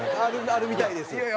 あるみたいです。